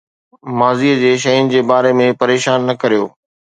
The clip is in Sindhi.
ماضي جي شين جي باري ۾ پريشان نه ڪريو